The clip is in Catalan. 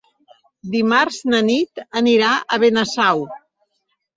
Dimarts na Nit anirà a Benasau.